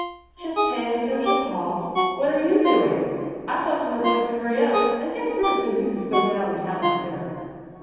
"Just paying a social call. What are you doing? I thought you were going to hurry up and get through so you could go down town to dinner."